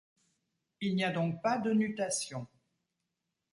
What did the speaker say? Il n'y a donc pas de nutation.